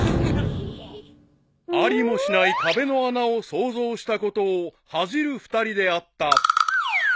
［ありもしない壁の穴を想像したことを恥じる２人であった］